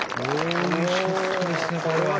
いいショットですねこれは。